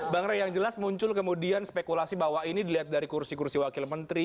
bang rey yang jelas muncul kemudian spekulasi bahwa ini dilihat dari kursi kursi wakil menteri